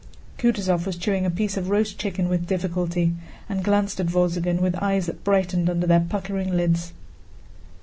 Kutúzov was chewing a piece of roast chicken with difficulty and glanced at Wolzogen with eyes that brightened under their puckering lids.